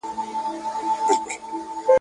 دومره بیدار او هوښیار سي ,